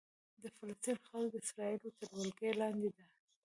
د فلسطین خاوره د اسرائیلو تر ولکې لاندې ده.